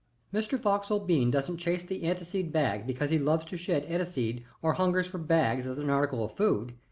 "Mr. Vauxhall Bean doesn't chase the aniseseed bag because he loves to shed the aniseseed or hungers for bags as an article of food.